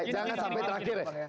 jangan sampai terakhir ya